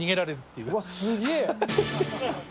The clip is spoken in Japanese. うわ、すげー。